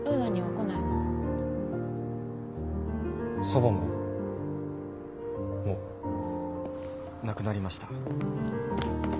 祖母ももう亡くなりました。